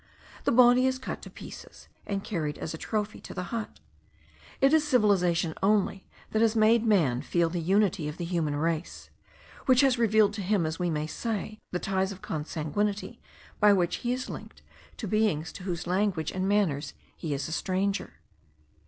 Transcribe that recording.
The body is cut to pieces, and carried as a trophy to the hut. It is civilization only, that has made man feel the unity of the human race; which has revealed to him, as we may say, the ties of consanguinity, by which he is linked to beings to whose language and manners he is a stranger.